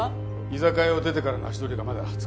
居酒屋を出てからの足取りがまだつかめてません。